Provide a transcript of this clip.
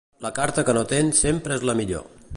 La carta que no tens sempre és la millor.